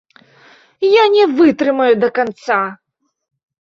Я не вытрымаю да канца.